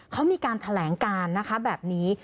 เขามีการแถลงการนะคะแบบนี้